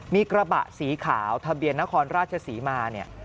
มีกระบะสีขาวทะเบียนนครราชศรีมาเนี่ย